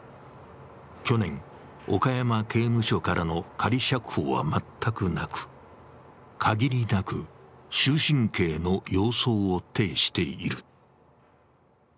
去年、岡山刑務所からの仮釈放は全くなく、限りなく終身刑の様相を呈している。